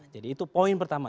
jadi itu poin pertama